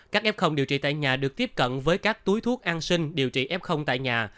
các f điều trị tại nhà được tiếp cận với các túi thuốc an sinh điều trị f tại nhà